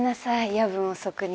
夜分遅くに。